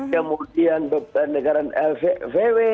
kemudian dokter negara vw